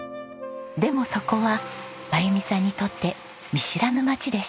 でもそこは真由美さんにとって見知らぬ町でした。